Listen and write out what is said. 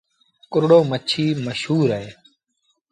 ڪورڙو مڇيٚ مشهور اهي۔